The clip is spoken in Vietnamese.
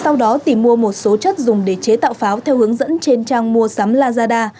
sau đó tìm mua một số chất dùng để chế tạo pháo theo hướng dẫn trên trang mua sắm lazada